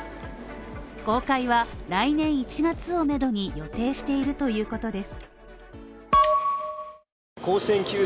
公開は来年１月をめどに予定しているということです。